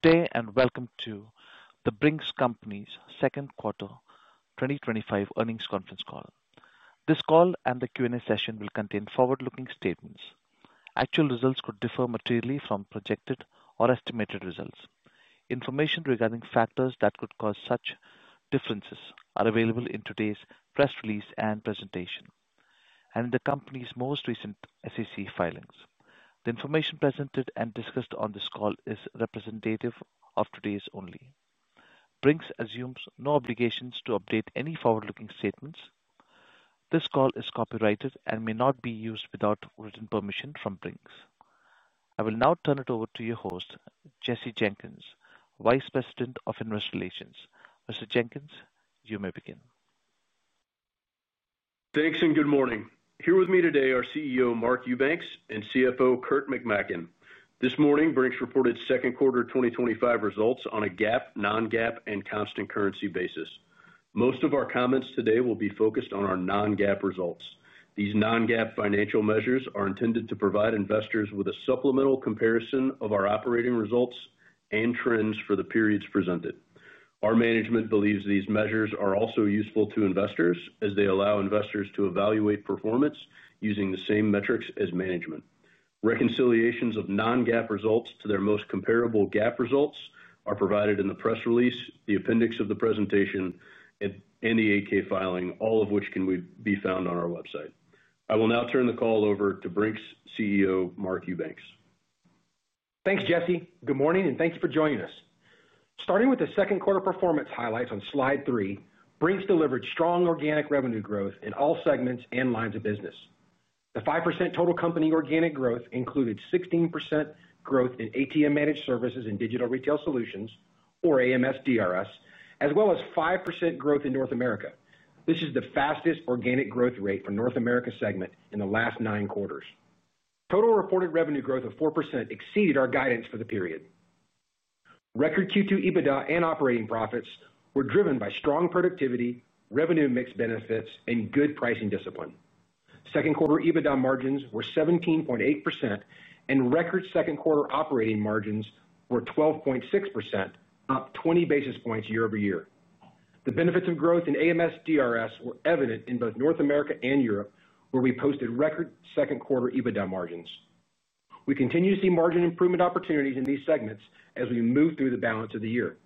Today, and welcome to The Brink’s Company’s second quarter 2025 earnings conference call. This call and the Q&A session will contain forward-looking statements. Actual results could differ materially from projected or estimated results. Information regarding factors that could cause such differences is available in today’s press release and presentation, and in the company’s most recent SEC filings. The information presented and discussed on this call is representative of today only. Brink’s assumes no obligations to update any forward-looking statements. This call is copyrighted and may not be used without written permission from Brink’s. I will now turn it over to your host, Jesse Jenkins, Vice President of Investor Relations. Mr. Jenkins, you may begin. Thanks and good morning. Here with me today are CEO Mark Eubanks and CFO Kurt McMaken. This morning, Brink’s reported second quarter 2025 results on a GAAP, non-GAAP, and constant currency basis. Most of our comments today will be focused on our non-GAAP results. These non-GAAP financial measures are intended to provide investors with a supplemental comparison of our operating results and trends for the periods presented. Our management believes these measures are also useful to investors as they allow investors to evaluate performance using the same metrics as management. Reconciliations of non-GAAP results to their most comparable GAAP results are provided in the press release, the appendix of the presentation, and the AK filing, all of which can be found on our website. I will now turn the call over to Brink’s CEO Mark Eubanks. Thanks, Jesse. Good morning and thank you for joining us. Starting with the second quarter performance highlights on slide three, Brink’s delivered strong organic revenue growth in all segments and lines of business. The 5% total company organic growth included 16% growth in ATM Managed Services and Digital Retail Solutions, or AMSDRS, as well as 5% growth in North America. This is the fastest organic growth rate for the North America segment in the last nine quarters. Total reported revenue growth of 4% exceeded our guidance for the period. Record Q2 EBITDA and operating profits were driven by strong productivity, revenue mix benefits, and good pricing discipline. Second quarter EBITDA margins were 17.8% and record second quarter operating margins were 12.6%, up 20 basis points year over year. The benefits of growth in AMSDRS were evident in both North America and Europe, where we posted record second quarter EBITDA margins. We continue to see margin improvement opportunities in these segments as we move through the balance of the year.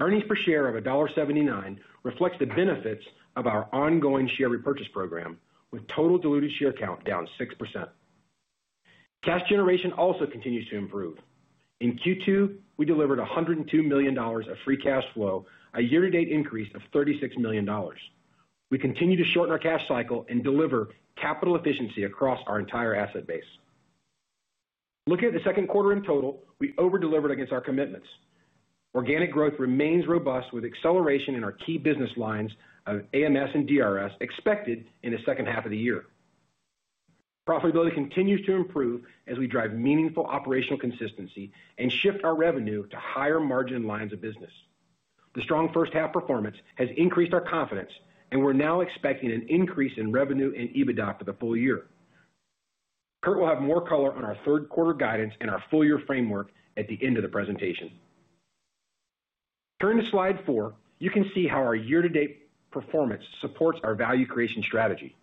Earnings per share of $1.79 reflects the benefits of our ongoing share repurchase program, with total diluted share count down 6%. Cash generation also continues to improve. In Q2, we delivered $102 million of free cash flow, a year-to-date increase of $36 million. We continue to shorten our cash cycle and deliver capital efficiency across our entire asset base. Looking at the second quarter in total, we overdelivered against our commitments. Organic growth remains robust, with acceleration in our key business lines of AMS and DRS expected in the second half of the year. Profitability continues to improve as we drive meaningful operational consistency and shift our revenue to higher margin lines of business. The strong first half performance has increased our confidence, and we're now expecting an increase in revenue and EBITDA for the full year. Kurt will have more color on our third quarter guidance and our full year framework at the end of the presentation. Turning to slide four, you can see how our year-to-date performance supports our value creation strategy.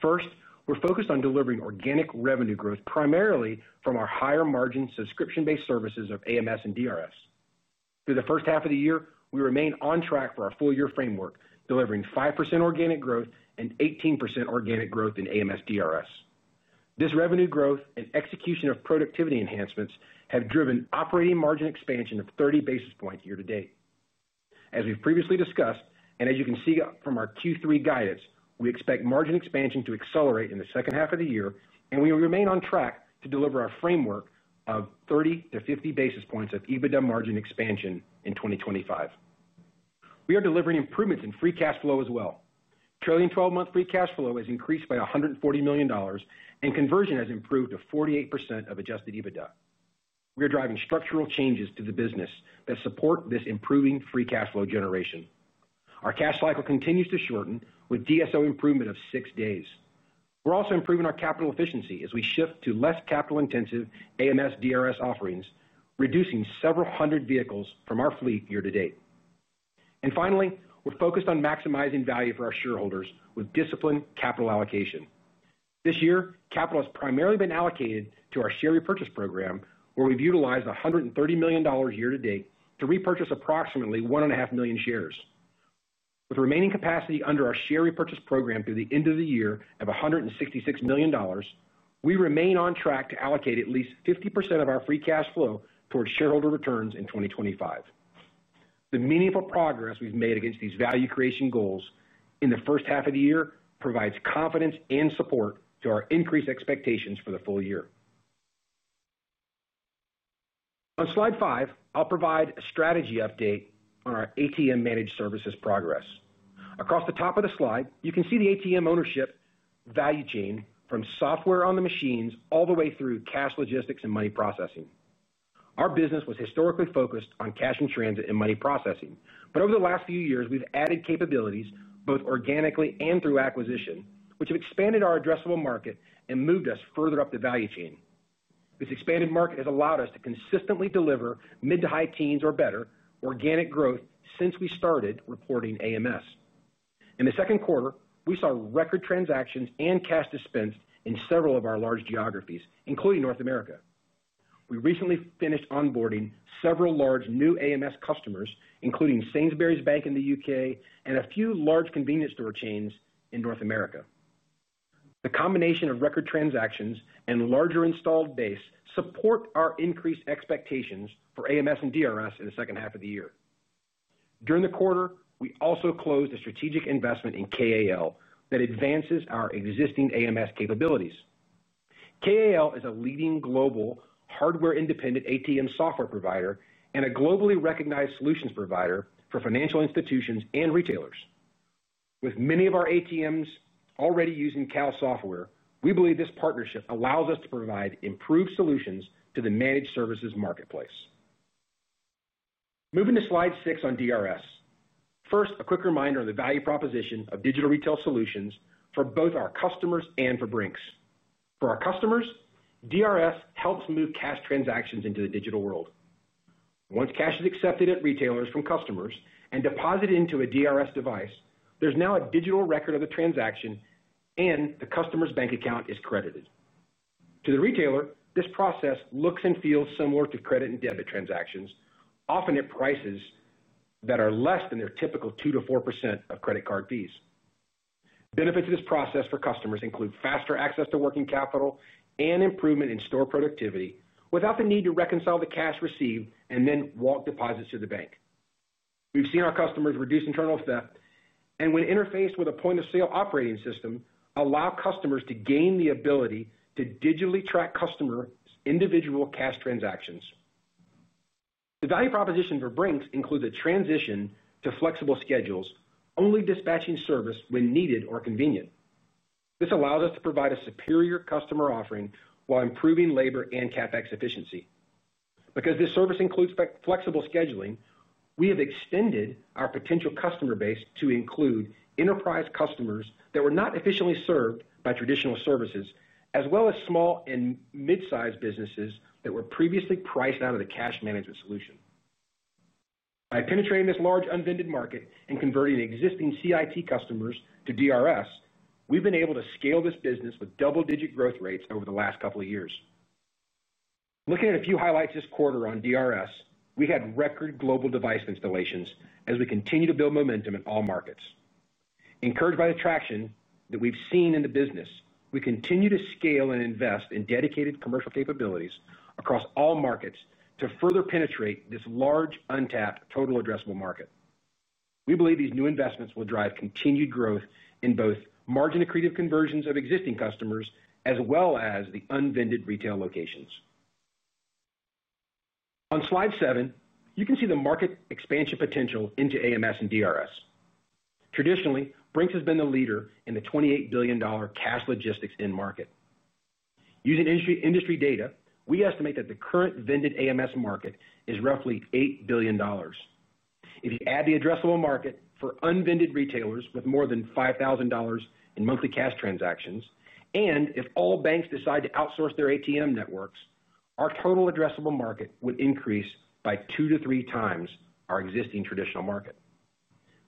First, we're focused on delivering organic revenue growth primarily from our higher margin subscription-based services of AMS and DRS. Through the first half of the year, we remain on track for our full year framework, delivering 5% organic growth and 18% organic growth in AMSDRS. This revenue growth and execution of productivity enhancements have driven operating margin expansion of 30 basis points year to date. As we've previously discussed, and as you can see from our Q3 guidance, we expect margin expansion to accelerate in the second half of the year, and we remain on track to deliver our framework of 30 basis points-50 basis points of EBITDA margin expansion in 2025. We are delivering improvements in free cash flow as well. Trailing 12-month free cash flow has increased by $140 million, and conversion has improved to 48% of adjusted EBITDA. We are driving structural changes to the business that support this improving free cash flow generation. Our cash cycle continues to shorten with DSO improvement of six days. We're also improving our capital efficiency as we shift to less capital-intensive AMS and DRS offerings, reducing several hundred vehicles from our fleet year to date. Finally, we're focused on maximizing value for our shareholders with disciplined capital allocation. This year, capital has primarily been allocated to our share repurchase program, where we've utilized $130 million year to date to repurchase approximately 1.5 million shares. With remaining capacity under our share repurchase program through the end of the year of $166 million, we remain on track to allocate at least 50% of our free cash flow towards shareholder returns in 2025. The meaningful progress we've made against these value creation goals in the first half of the year provides confidence and support to our increased expectations for the full year. On slide five, I'll provide a strategy update on our ATM Managed Services progress. Across the top of the slide, you can see the ATM ownership value chain from software on the machines all the way through cash logistics and money processing. Our business was historically focused on Cash-in-Transit and Money Processing, but over the last few years, we've added capabilities both organically and through acquisition, which have expanded our addressable market and moved us further up the value chain. This expanded market has allowed us to consistently deliver mid to high teens or better organic growth since we started reporting AMS. In the second quarter, we saw record transactions and cash dispensed in several of our large geographies, including North America. We recently finished onboarding several large new AMS customers, including Sainsbury’s Bank in the U.K. and a few large convenience store chains in North America. The combination of record transactions and larger installed base support our increased expectations for AMS and DRS in the second half of the year. During the quarter, we also closed a strategic investment in KAL that advances our existing AMS capabilities. KAL is a leading global hardware-independent ATM software provider and a globally recognized solutions provider for financial institutions and retailers. With many of our ATMs already using KAL software, we believe this partnership allows us to provide improved solutions to the managed services marketplace. Moving to slide six on DRS. First, a quick reminder on the value proposition of Digital Retail Solutions for both our customers and for Brink’s. For our customers, DRS helps move cash transactions into the digital world. Once cash is accepted at retailers from customers and deposited into a DRS device, there’s now a digital record of the transaction and the customer’s bank account is credited. To the retailer, this process looks and feels similar to credit and debit transactions, often at prices that are less than their typical 2%-4% of credit card fees. Benefits of this process for customers include faster access to working capital and improvement in store productivity without the need to reconcile the cash received and then walk deposits to the bank. We’ve seen our customers reduce internal theft and, when interfaced with a point-of-sale operating system, allow customers to gain the ability to digitally track customers’ individual cash transactions. The value proposition for Brink’s includes a transition to flexible schedules, only dispatching service when needed or convenient. This allows us to provide a superior customer offering while improving labor and CapEx efficiency. Because this service includes flexible scheduling, we have extended our potential customer base to include enterprise customers that were not efficiently served by traditional services, as well as small and mid-sized businesses that were previously priced out of the cash management solution. By penetrating this large unvetted market and converting existing CIT customers to DRS, we’ve been able to scale this business with double-digit growth rates over the last couple of years. Looking at a few highlights this quarter on DRS, we had record global device installations as we continue to build momentum in all markets. Encouraged by the traction that we've seen in the business, we continue to scale and invest in dedicated commercial capabilities across all markets to further penetrate this large untapped total addressable market. We believe these new investments will drive continued growth in both margin accretive conversions of existing customers as well as the unvetted retail locations. On slide seven, you can see the market expansion potential into AMS and DRS. Traditionally, Brink’s has been the leader in the $28 billion cash logistics market. Using industry data, we estimate that the current vended AMS market is roughly $8 billion. If you add the addressable market for unvetted retailers with more than $5,000 in monthly cash transactions, and if all banks decide to outsource their ATM networks, our total addressable market would increase by two to three times our existing traditional market.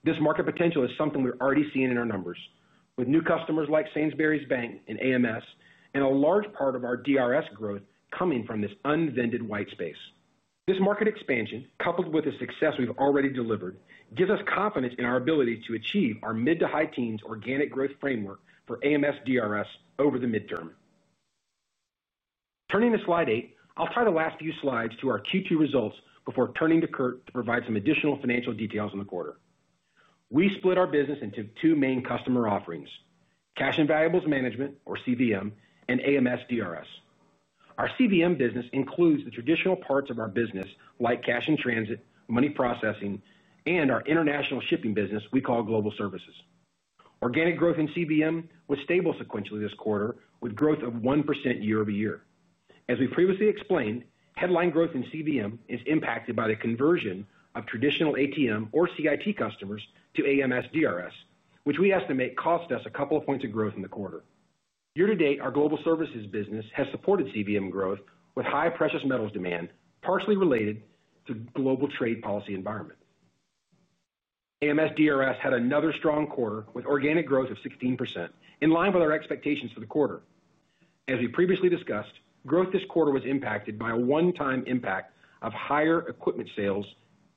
This market potential is something we're already seeing in our numbers, with new customers like Sainsbury’s Bank and AMS, and a large part of our DRS growth coming from this unvetted white space. This market expansion, coupled with the success we've already delivered, gives us confidence in our ability to achieve our mid to high teens organic growth framework for AMSDRS over the mid-term. Turning to slide eight, I'll tie the last few slides to our Q2 results before turning to Kurt to provide some additional financial details on the quarter. We split our business into two main customer offerings: cash and valuables management, or CVM, and AMSDRS. Our CVM business includes the traditional parts of our business, like cash-in-transit, money processing, and our international shipping business we call Global Services. Organic growth in CVM was stable sequentially this quarter, with growth of 1% year over year. As we previously explained, headline growth in CVM is impacted by the conversion of traditional ATM or CIT customers to AMSDRS, which we estimate cost us a couple of points of growth in the quarter. Year to date, our Global Services business has supported CVM growth with high precious metals demand, partially related to the global trade policy environment. AMSDRS had another strong quarter with organic growth of 16%, in line with our expectations for the quarter. As we previously discussed, growth this quarter was impacted by a one-time impact of higher equipment sales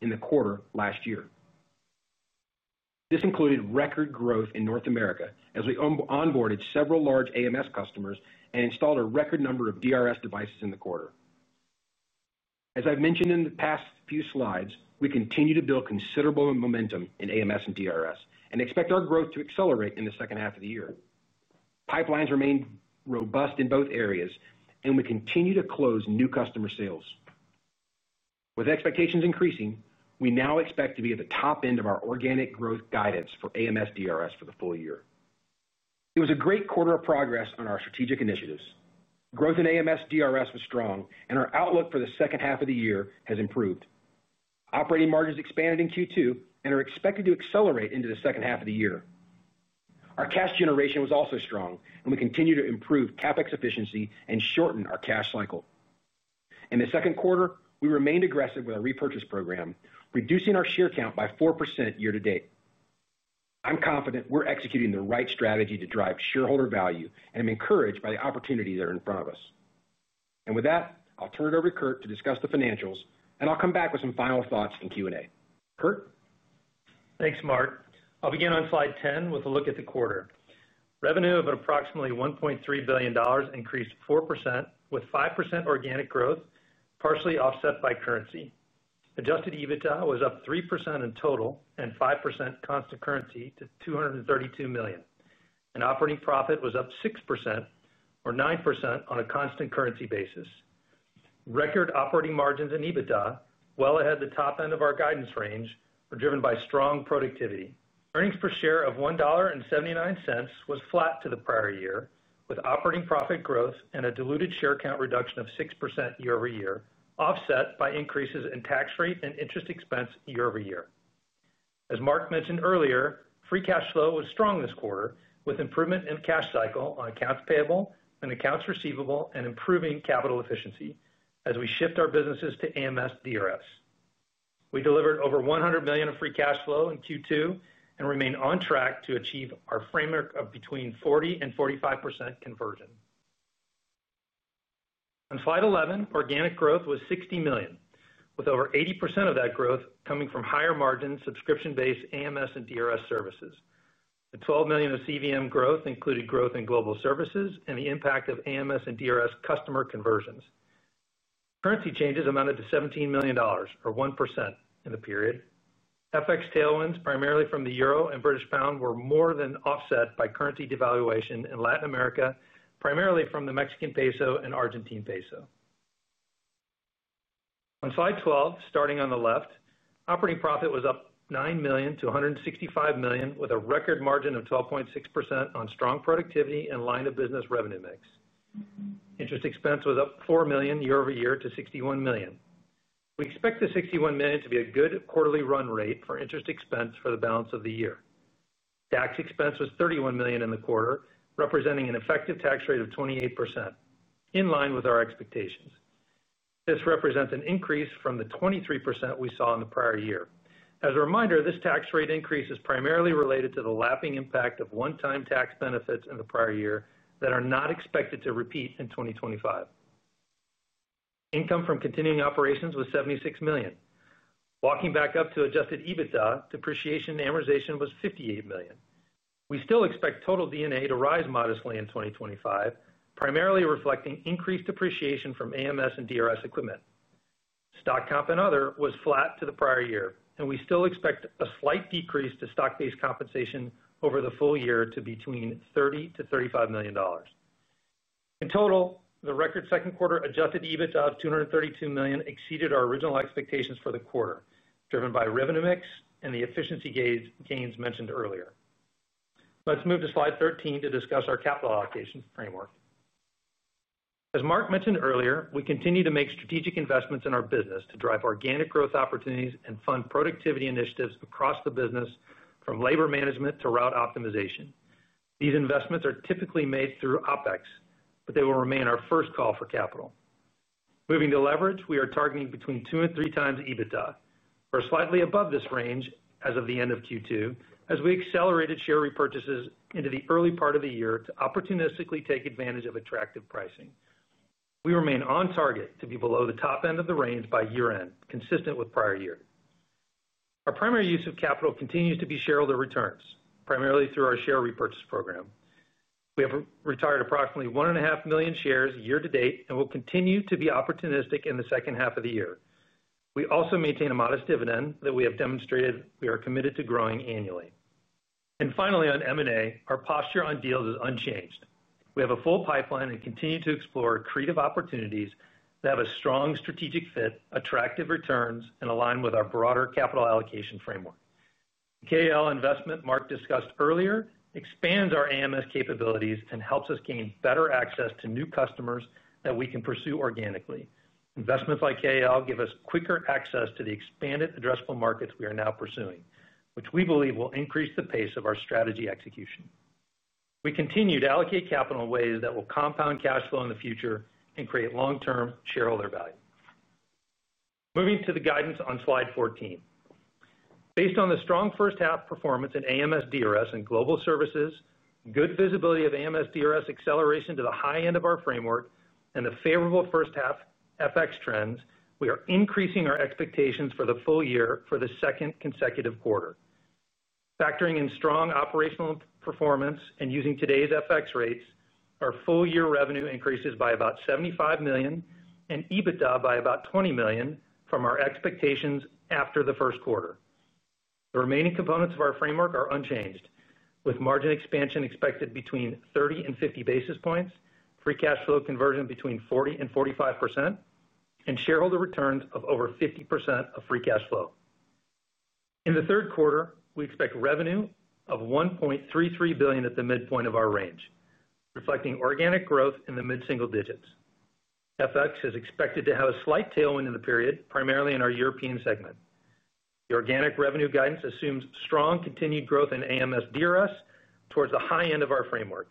in the quarter last year. This included record growth in North America as we onboarded several large AMS customers and installed a record number of DRS devices in the quarter. As I've mentioned in the past few slides, we continue to build considerable momentum in AMS and DRS and expect our growth to accelerate in the second half of the year. Pipelines remain robust in both areas, and we continue to close new customer sales. With expectations increasing, we now expect to be at the top end of our organic growth guidance for AMSDRS for the full year. It was a great quarter of progress on our strategic initiatives. Growth in AMSDRS was strong, and our outlook for the second half of the year has improved. Operating margins expanded in Q2 and are expected to accelerate into the second half of the year. Our cash generation was also strong, and we continue to improve CapEx efficiency and shorten our cash cycle. In the second quarter, we remained aggressive with our repurchase program, reducing our share count by 4% year to date. I'm confident we're executing the right strategy to drive shareholder value, and I'm encouraged by the opportunity that are in front of us. With that, I'll turn it over to Kurt to discuss the financials, and I'll come back with some final thoughts in Q&A. Kurt. Thanks, Mark. I'll begin on slide 10 with a look at the quarter. Revenue of approximately $1.3 billion increased 4%, with 5% organic growth partially offset by currency. Adjusted EBITDA was up 3% in total and 5% constant currency to $232 million. Operating profit was up 6%, or 9% on a constant currency basis. Record operating margins and EBITDA well ahead of the top end of our guidance range are driven by strong productivity. Earnings per share of $1.79 was flat to the prior year, with operating profit growth and a diluted share count reduction of 6% year over year, offset by increases in tax rate and interest expense year over year. As Mark mentioned earlier, free cash flow was strong this quarter, with improvement in cash cycle on accounts payable and accounts receivable and improving capital efficiency as we shift our businesses to AMS and DRS. We delivered over $100 million of free cash flow in Q2 and remain on track to achieve our framework of between 40% and 45% conversion. On slide 11, organic growth was $60 million, with over 80% of that growth coming from higher margin subscription-based AMS and DRS services. The $12 million of CVM growth included growth in Global Services and the impact of AMS and DRS customer conversions. Currency changes amounted to $17 million, or 1% in the period. FX tailwinds, primarily from the Euro and British Pound, were more than offset by currency devaluation in Latin America, primarily from the Mexican Peso and Argentine Peso. On slide 12, starting on the left, operating profit was up $9 million to $165 million, with a record margin of 12.6% on strong productivity and line of business revenue mix. Interest expense was up $4 million year over year to $61 million. We expect the $61 million to be a good quarterly run rate for interest expense for the balance of the year. Tax expense was $31 million in the quarter, representing an effective tax rate of 28%, in line with our expectations. This represents an increase from the 23% we saw in the prior year. As a reminder, this tax rate increase is primarily related to the lapping impact of one-time tax benefits in the prior year that are not expected to repeat in 2025. Income from continuing operations was $76 million. Walking back up to adjusted EBITDA, depreciation and amortization was $58 million. We still expect total D&A to rise modestly in 2025, primarily reflecting increased depreciation from AMS and DRS equipment. Stock comp and other was flat to the prior year, and we still expect a slight decrease to stock-based compensation over the full year to between $30 million-$35 million. In total, the record second quarter adjusted EBITDA of $232 million exceeded our original expectations for the quarter, driven by revenue mix and the efficiency gains mentioned earlier. Let's move to slide 13 to discuss our capital allocation framework. As Mark mentioned earlier, we continue to make strategic investments in our business to drive organic growth opportunities and fund productivity initiatives across the business, from labor management to route optimization. These investments are typically made through OpEx, but they will remain our first call for capital. Moving to leverage, we are targeting between two and three times EBITDA. We're slightly above this range as of the end of Q2 as we accelerated share repurchases into the early part of the year to opportunistically take advantage of attractive pricing. We remain on target to be below the top end of the range by year end, consistent with prior year. Our primary use of capital continues to be shareholder returns, primarily through our share repurchase program. We have retired approximately 1.5 million shares year to date and will continue to be opportunistic in the second half of the year. We also maintain a modest dividend that we have demonstrated we are committed to growing annually. Finally, on M&A, our posture on deals is unchanged. We have a full pipeline and continue to explore creative opportunities that have a strong strategic fit, attractive returns, and align with our broader capital allocation framework. The KAL investment Mark discussed earlier expands our AMS capabilities and helps us gain better access to new customers that we can pursue organically. Investments like KAL give us quicker access to the expanded addressable markets we are now pursuing, which we believe will increase the pace of our strategy execution. We continue to allocate capital in ways that will compound cash flow in the future and create long-term shareholder value. Moving to the guidance on slide 14. Based on the strong first half performance in AMSDRS and Global Services, good visibility of AMSDRS acceleration to the high end of our framework, and the favorable first half FX trends, we are increasing our expectations for the full year for the second consecutive quarter. Factoring in strong operational performance and using today's FX rates, our full year revenue increases by about $75 million and EBITDA by about $20 million from our expectations after the first quarter. The remaining components of our framework are unchanged, with margin expansion expected between 30 and 50 basis points, free cash flow conversion between 40% and 45%, and shareholder returns of over 50% of free cash flow. In the third quarter, we expect revenue of $1.33 billion at the midpoint of our range, reflecting organic growth in the mid-single digits. FX is expected to have a slight tailwind in the period, primarily in our European segment. The organic revenue guidance assumes strong continued growth in AMSDRS towards the high end of our framework.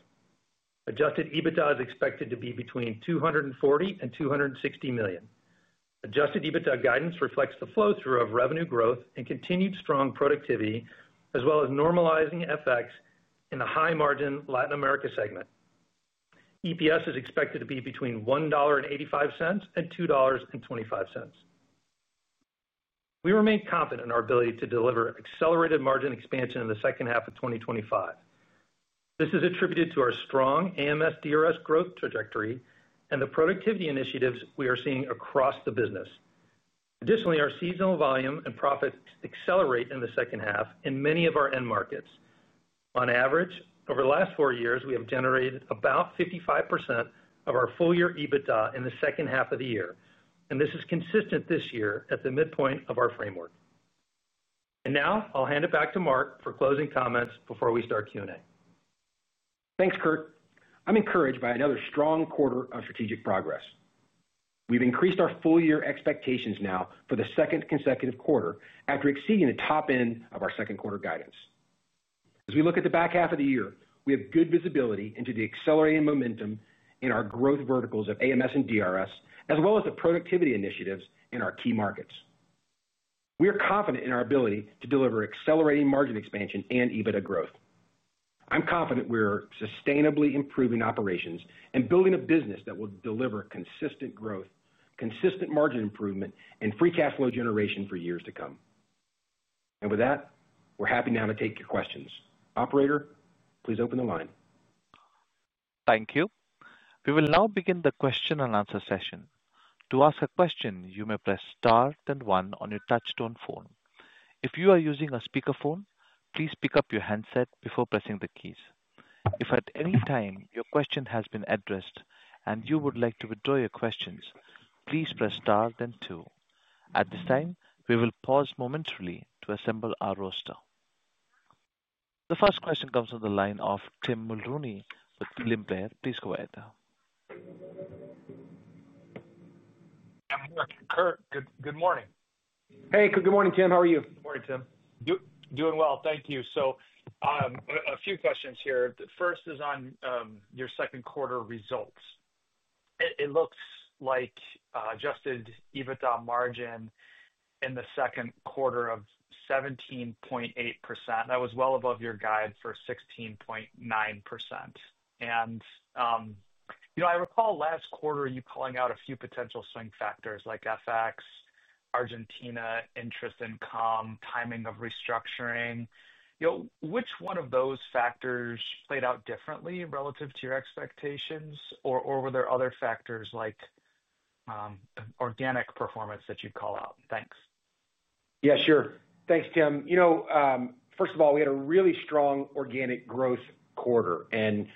Adjusted EBITDA is expected to be between $240 million and $260 million. Adjusted EBITDA guidance reflects the flow-through of revenue growth and continued strong productivity, as well as normalizing FX in the high margin Latin America segment. EPS is expected to be between $1.85 and $2.25. We remain confident in our ability to deliver accelerated margin expansion in the second half of 2025. This is attributed to our strong AMSDRS growth trajectory and the productivity initiatives we are seeing across the business. Additionally, our seasonal volume and profits accelerate in the second half in many of our end markets. On average, over the last four years, we have generated about 55% of our full year EBITDA in the second half of the year, and this is consistent this year at the midpoint of our framework. I'll hand it back to Mark for closing comments before we start Q&A. Thanks, Kurt. I'm encouraged by another strong quarter of strategic progress. We've increased our full year expectations now for the second consecutive quarter after exceeding the top end of our second quarter guidance. As we look at the back half of the year, we have good visibility into the accelerating momentum in our growth verticals of AMS and DRS, as well as the productivity initiatives in our key markets. We are confident in our ability to deliver accelerating margin expansion and EBITDA growth. I'm confident we're sustainably improving operations and building a business that will deliver consistent growth, consistent margin improvement, and free cash flow generation for years to come. With that, we're happy now to take your questions. Operator, please open the line. Thank you. We will now begin the question and answer session. To ask a question, you may press star then one on your touch-tone phone. If you are using a speakerphone, please pick up your headset before pressing the keys. If at any time your question has been addressed and you would like to withdraw your questions, please press star then two. At this time, we will pause momentarily to assemble our roster. The first question comes from the line of Tim Mulrooney with William Blair. Please go ahead. I'm here, Kurt. Good morning. Hey, good morning, Tim. How are you? Morning, Tim. Doing well, thank you. A few questions here. The first is on your second quarter results. It looks like adjusted EBITDA margin in the second quarter of 17.8%. That was well above your guide for 16.9%. I recall last quarter you calling out a few potential swing factors like FX, Argentina, interest income, timing of restructuring. Which one of those factors played out differently relative to your expectations, or were there other factors like organic performance that you'd call out? Thanks. Yeah, sure. Thanks, Tim. First of all, we had a really strong organic growth quarter, and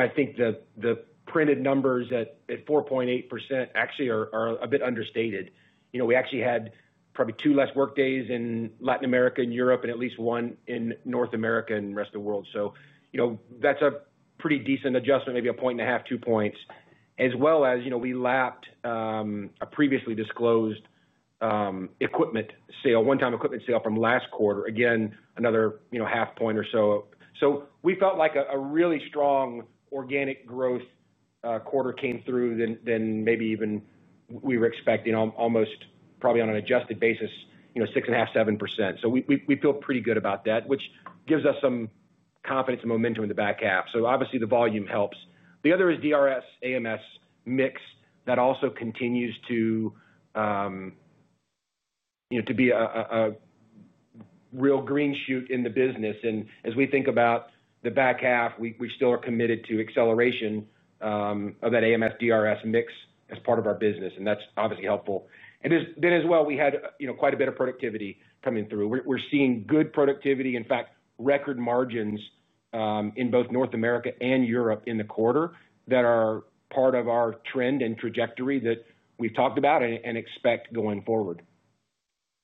I think the printed numbers at 4.8% actually are a bit understated. We actually had probably two less workdays in Latin America and Europe and at least one in North America and the rest of the world. That's a pretty decent adjustment, maybe a point and a half, two points, as well as we lapped a previously disclosed one-time equipment sale from last quarter. Again, another half point or so. We felt like a really strong organic growth quarter came through, maybe even we were expecting almost probably on an adjusted basis, 6.5%7%. We feel pretty good about that, which gives us some confidence and momentum in the back half. Obviously, the volume helps. The other is DRS, AMS mix that also continues to be a real green shoot in the business. As we think about the back half, we still are committed to acceleration of that AMS DRS mix as part of our business, and that's obviously helpful. As well, we had quite a bit of productivity coming through. We're seeing good productivity, in fact, record margins in both North America and Europe in the quarter that are part of our trend and trajectory that we've talked about and expect going forward.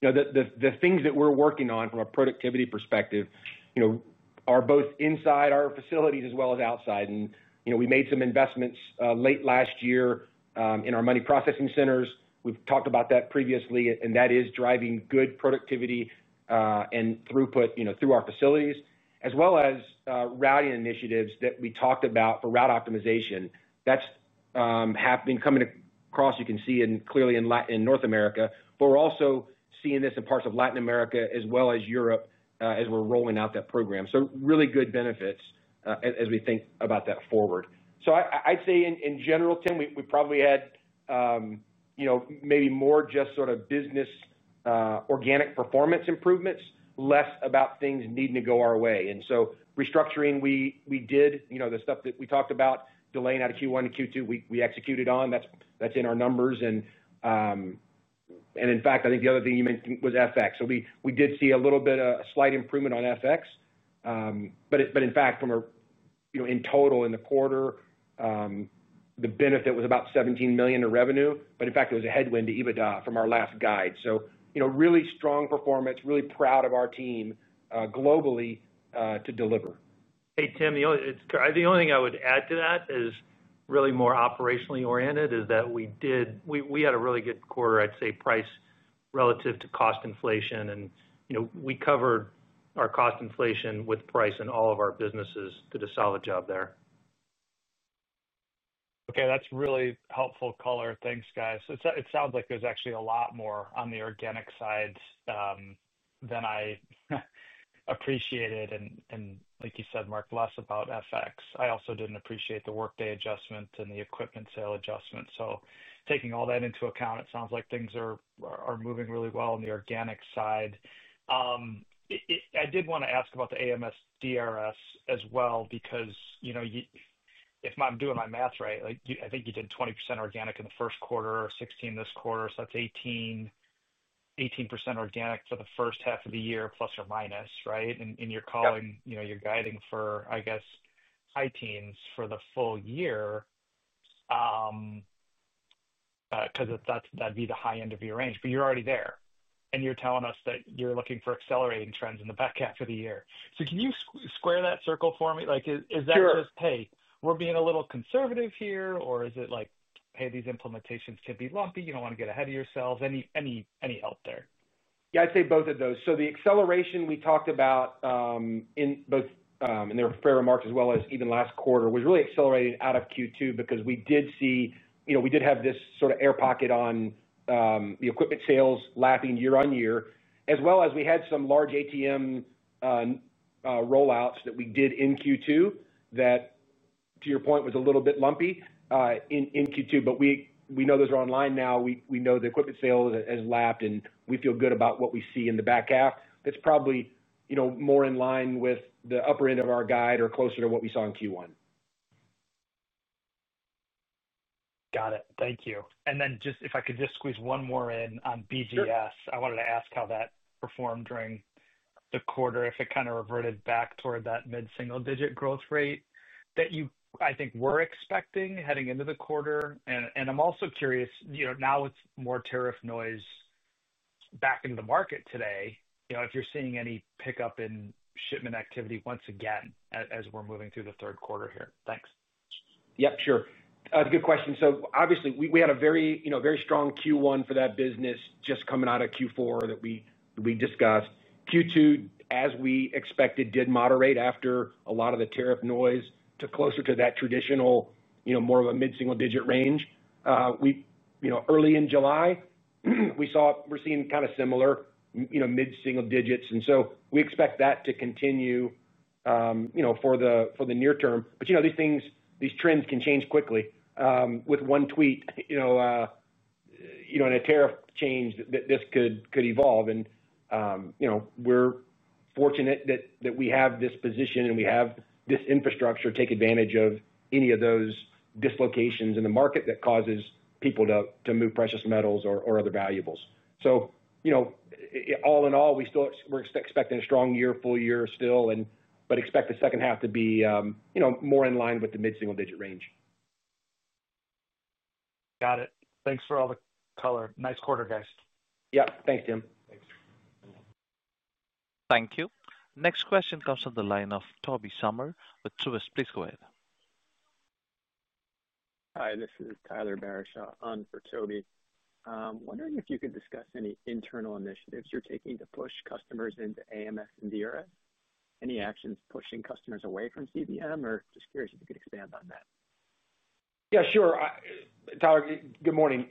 The things that we're working on from a productivity perspective are both inside our facilities as well as outside. We made some investments late last year in our money processing centers. We've talked about that previously, and that is driving good productivity and throughput through our facilities, as well as routing initiatives that we talked about for route optimization. That's been coming across, you can see clearly in North America, but we're also seeing this in parts of Latin America as well as Europe as we're rolling out that program. Really good benefits as we think about that forward. I'd say in general, Tim, we probably had maybe more just sort of business organic performance improvements, less about things needing to go our way. Restructuring, we did the stuff that we talked about delaying out of Q1 to Q2, we executed on. That's in our numbers. I think the other thing you mentioned was FX. We did see a little bit of a slight improvement on FX. In total in the quarter, the benefit was about $17 million in revenue, but in fact, it was a headwind to EBITDA from our last guide. Really strong performance, really proud of our team globally to deliver. Hey, Tim, the only thing I would add to that is really more operationally oriented is that we did, we had a really good quarter, I'd say, price relative to cost inflation. We covered our cost inflation with price in all of our businesses, did a solid job there. Okay, that's really helpful color. Thanks, guys. It sounds like there's actually a lot more on the organic side than I appreciated. Like you said, Mark, less about FX. I also didn't appreciate the workday adjustment and the equipment sale adjustment. Taking all that into account, it sounds like things are moving really well on the organic side. I did want to ask about the AMS and DRS as well because, you know, if I'm doing my math right, I think you did 20% organic in the first quarter, 16% this quarter. That's 18% organic for the first half of the year, plus or minus, right? You're guiding for, I guess, high teens for the full year because that would be the high end of your range, but you're already there. You're telling us that you're looking for accelerating trends in the back half of the year. Can you square that circle for me? Is that just, hey, we're being a little conservative here, or is it like, hey, these implementations could be lumpy, you don't want to get ahead of yourselves? Any help there? Yeah, I'd say both of those. The acceleration we talked about, in both, in their fair remarks as well as even last quarter, was really accelerated out of Q2 because we did see, you know, we did have this sort of air pocket on the equipment sales lapping year on year, as well as we had some large ATM rollouts that we did in Q2 that, to your point, was a little bit lumpy in Q2. We know those are online now. We know the equipment sales have lapped, and we feel good about what we see in the back half that's probably, you know, more in line with the upper end of our guide or closer to what we saw in Q1. Got it. Thank you. If I could just squeeze one more in on BVS, I wanted to ask how that performed during the quarter, if it kind of reverted back toward that mid-single digit growth rate that you, I think, were expecting heading into the quarter. I'm also curious, now it's more tariff noise back into the market today. If you're seeing any pickup in shipment activity once again as we're moving through the third quarter here. Thanks. Yeah, sure. That's a good question. Obviously, we had a very, you know, very strong Q1 for that business just coming out of Q4 that we discussed. Q2, as we expected, did moderate after a lot of the tariff noise took closer to that traditional, you know, more of a mid-single digit range. Early in July, we saw, we're seeing kind of similar, you know, mid-single digits. We expect that to continue, you know, for the near term. These things, these trends can change quickly. With one tweet, you know, in a tariff change, this could evolve. We're fortunate that we have this position and we have this infrastructure to take advantage of any of those dislocations in the market that cause people to move precious metals or other valuables. All in all, we still, we're expecting a strong year, full year still, and expect the second half to be, you know, more in line with the mid-single digit range. Got it. Thanks for all the color. Nice quarter, guys. Yeah, thanks, Tim. Thanks. Thank you. Next question comes from the line of Toby Sommer with Truist, please go ahead. Hi, this is Tyler Barishaw on for Toby. I'm wondering if you could discuss any internal initiatives you're taking to push customers into AMS and DRS. Any actions pushing customers away from CVM? Just curious if you could expand on that. Yeah, sure. Tyler, good morning.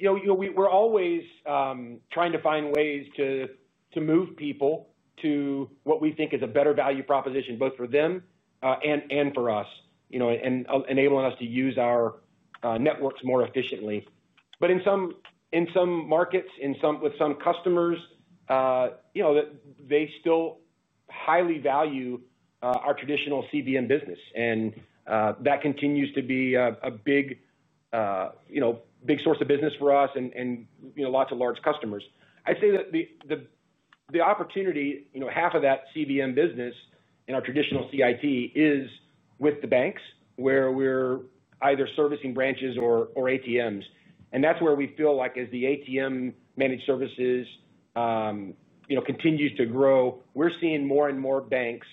We're always trying to find ways to move people to what we think is a better value proposition both for them and for us, and enabling us to use our networks more efficiently. In some markets, with some customers, they still highly value our traditional CVM business. That continues to be a big source of business for us and lots of large customers. I'd say that the opportunity, half of that CVM business in our traditional CIT is with the banks where we're either servicing branches or ATMs. That's where we feel like as the ATM Managed Services continue to grow, we're seeing more and more banks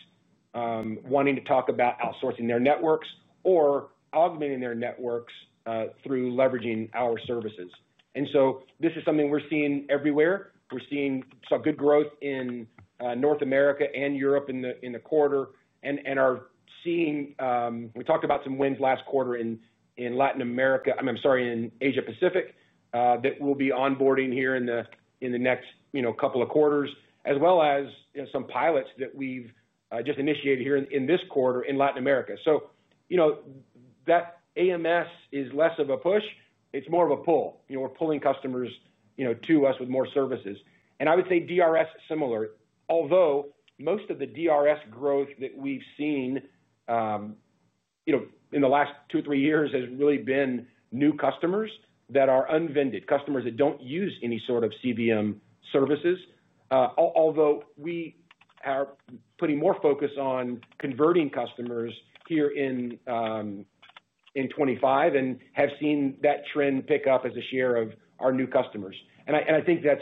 wanting to talk about outsourcing their networks or augmenting their networks through leveraging our services. This is something we're seeing everywhere. We're seeing some good growth in North America and Europe in the quarter. We talked about some wins last quarter in Asia Pacific that we'll be onboarding here in the next couple of quarters, as well as some pilots that we've just initiated here in this quarter in Latin America. That AMS is less of a push. It's more of a pull. We're pulling customers to us with more services. I would say DRS is similar, although most of the DRS growth that we've seen in the last two or three years has really been new customers that are unvetted, customers that don't use any sort of CVM services. Although we are putting more focus on converting customers here in 2025 and have seen that trend pick up as a share of our new customers. I think that's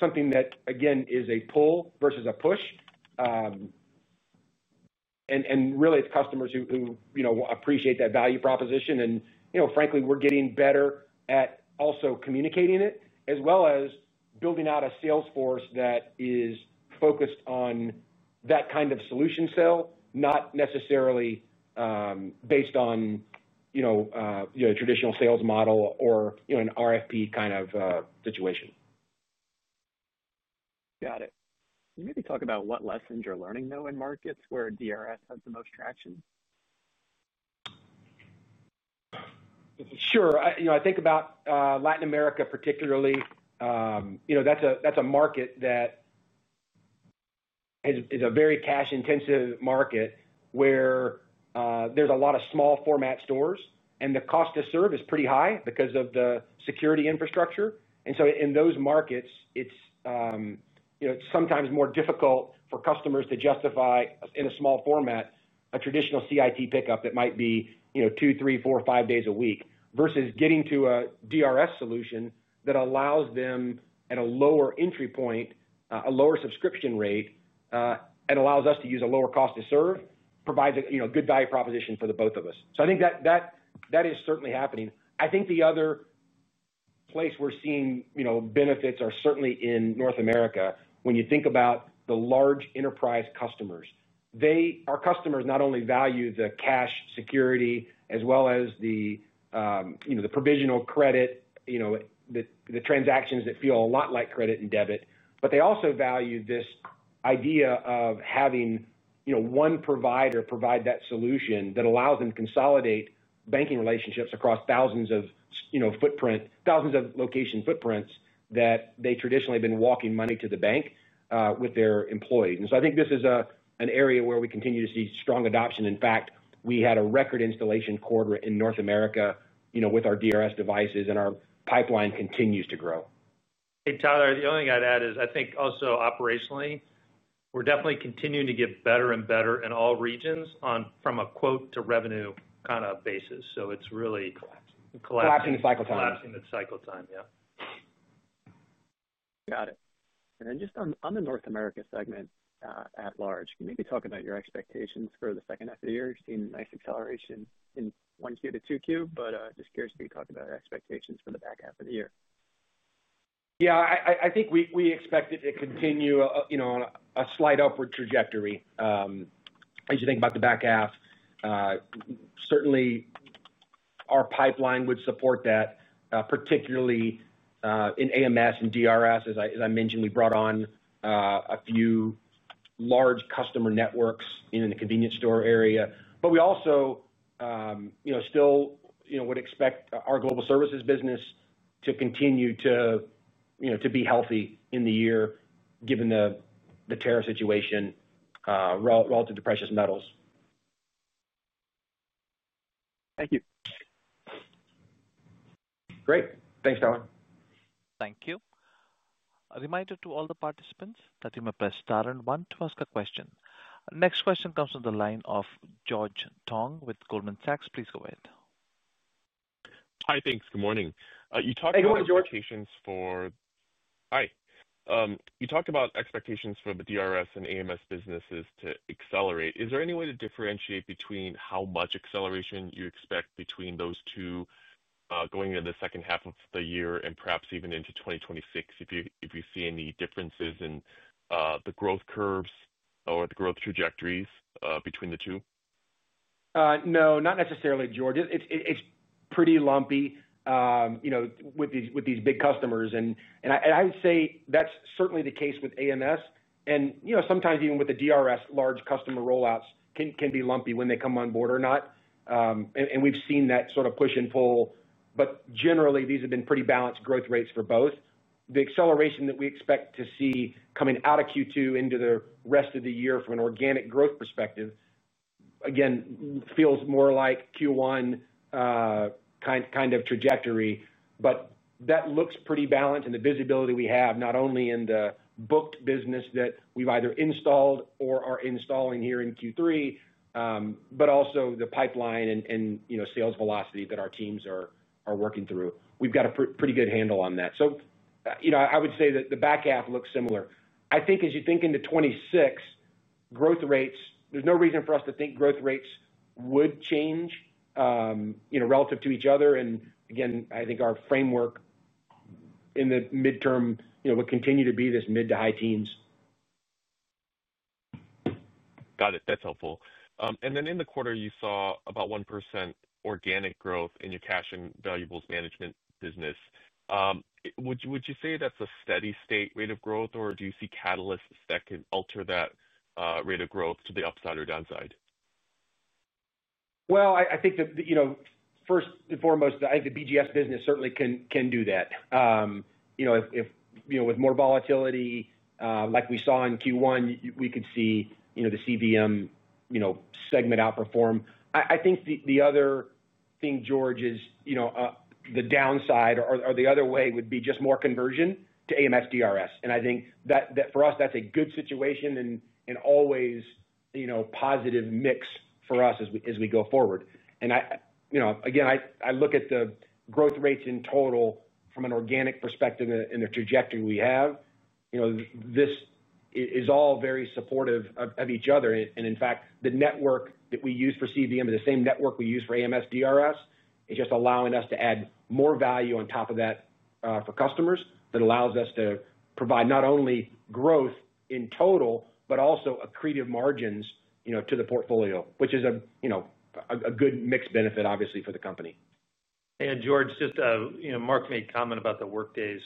something that, again, is a pull versus a push. Really, it's customers who appreciate that value proposition. Frankly, we're getting better at also communicating it as well as building out a sales force that is focused on that kind of solution sale, not necessarily based on a traditional sales model or an RFP kind of situation. Got it. Could you maybe talk about what lessons you're learning in markets where DRS has the most traction? Sure. I think about Latin America particularly. That's a market that is a very cash-intensive market where there's a lot of small-format stores, and the cost to serve is pretty high because of the security infrastructure. In those markets, it's sometimes more difficult for customers to justify in a small format a traditional CIT pickup that might be two, three, four, five days a week versus getting to a DRS that allows them at a lower entry point, a lower subscription rate, and allows us to use a lower cost to serve, provides a good value proposition for the both of us. I think that that is certainly happening. I think the other place we're seeing benefits are certainly in North America. When you think about the large enterprise customers, our customers not only value the cash security as well as the provisional credit, the transactions that feel a lot like credit and debit, but they also value this idea of having one provider provide that solution that allows them to consolidate banking relationships across thousands of footprints, thousands of location footprints that they traditionally have been walking money to the bank with their employees. I think this is an area where we continue to see strong adoption. In fact, we had a record installation quarter in North America with our DRS devices, and our pipeline continues to grow. Hey, Tyler, the only thing I'd add is I think also operationally, we're definitely continuing to get better and better in all regions from a quote to revenue kind of basis. It's really collapsing the cycle time. Collapsing the cycle time, yeah. Got it. Just on the North America segment at large, can you maybe talk about your expectations for the second half of the year? You're seeing a nice acceleration in 1Q to 2Q, just curious if you could talk about expectations for the back half of the year. Yeah, I think we expect it to continue on a slight upward trajectory. As you think about the back half, certainly, our pipeline would support that, particularly in AMS and DRS. As I mentioned, we brought on a few large customer networks in the convenience store area. We also would expect our Global Services business to continue to be healthy in the year, given the tariff situation relative to precious metals. Thank you. Great. Thanks, Tyler. Thank you. A reminder to all the participants that you may press star and one to ask a question. Next question comes from the line of George Tong with Goldman Sachs. Please go ahead. Hi, thanks. Good morning. You talked about expectations for the DRS and AMS businesses to accelerate. Is there any way to differentiate between how much acceleration you expect between those two, going into the second half of the year and perhaps even into 2026, if you see any differences in the growth curves or the growth trajectories between the two? No, not necessarily, George. It's pretty lumpy, you know, with these big customers. I would say that's certainly the case with AMS. Sometimes even with DRS, large customer rollouts can be lumpy when they come on board or not. We've seen that sort of push and pull. Generally, these have been pretty balanced growth rates for both. The acceleration that we expect to see coming out of Q2 into the rest of the year from an organic growth perspective, again, feels more like Q1 kind of trajectory. That looks pretty balanced in the visibility we have, not only in the booked business that we've either installed or are installing here in Q3, but also the pipeline and sales velocity that our teams are working through. We've got a pretty good handle on that. I would say that the back half looks similar. I think as you think into 2026, growth rates, there's no reason for us to think growth rates would change, you know, relative to each other. Again, I think our framework in the mid-term would continue to be this mid to high teens. Got it. That's helpful. In the quarter, you saw about 1% organic growth in your cash and valuables management business. Would you say that's a steady state rate of growth, or do you see catalysts that can alter that rate of growth to the upside or downside? I think that, first and foremost, I think the BGS business certainly can do that. If, with more volatility, like we saw in Q1, we could see the CVM segment outperform. I think the other thing, George, is the downside or the other way would be just more conversion to AMSDRS. I think that for us, that's a good situation and always a positive mix for us as we go forward. I look at the growth rates in total from an organic perspective in the trajectory we have. This is all very supportive of each other. In fact, the network that we use for CVM is the same network we use for AMSDRS. It's just allowing us to add more value on top of that for customers that allows us to provide not only growth in total, but also accretive margins to the portfolio, which is a good mixed benefit, obviously, for the company. George, Mark made comment about the workdays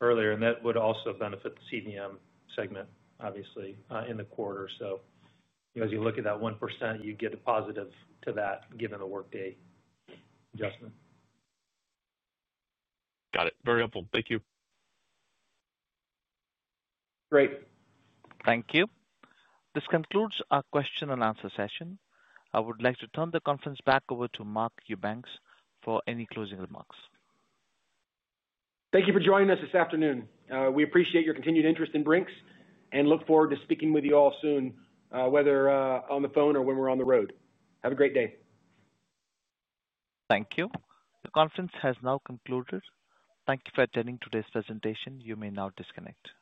earlier, and that would also benefit the CVM segment, obviously, in the quarter. As you look at that 1%, you get a positive to that given the workday. Got it. Very helpful. Thank you. Great. Thank you. This concludes our question and answer session. I would like to turn the conference back over to Mark Eubanks for any closing remarks. Thank you for joining us this afternoon. We appreciate your continued interest in Brink’s and look forward to speaking with you all soon, whether on the phone or when we're on the road. Have a great day. Thank you. The conference has now concluded. Thank you for attending today's presentation. You may now disconnect.